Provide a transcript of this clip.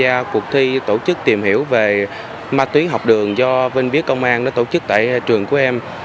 trong năm qua em đã tham gia cuộc thi tổ chức tìm hiểu về ma túy học đường do vinh biết công an tổ chức tại trường của em